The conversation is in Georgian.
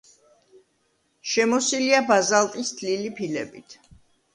შემოსილია ბაზალტის თლილი ფილებით.